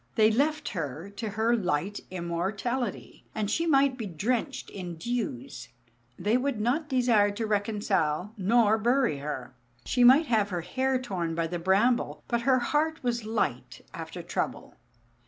They left her to her light immortality; and she might be drenched in dews; they would not desire to reconcile nor bury her. She might have her hair torn by the bramble, but her heart was light after trouble.